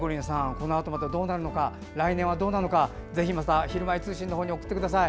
このあとどうなるのか来年はどうなのかぜひまた「ひるまえ通信」の方に送ってください。